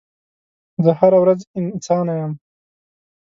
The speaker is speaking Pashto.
زه هره ورځ انسانه یم